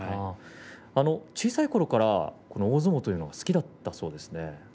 小さいころから大相撲が好きだったそうですね。